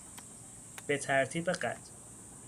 به ترتیب قد